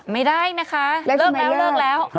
ไม่ได้นะคะเลิกแล้ว